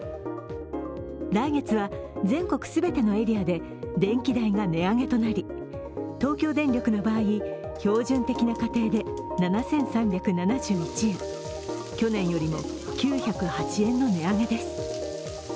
来月は全国全てのエリアで電気代が値上げとなり東京電力の場合、標準的な家庭で７３７１円去年よりも９０８円の値上げです。